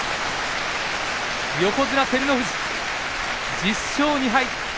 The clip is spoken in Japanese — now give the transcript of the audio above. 横綱照ノ富士、１０勝２敗。